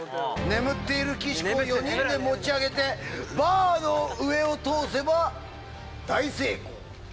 眠っている岸子を４人で持ち上げて、バーの上を通せば大成功。